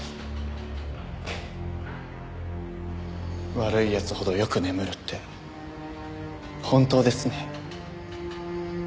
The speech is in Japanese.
悪い奴ほどよく眠るって本当ですね。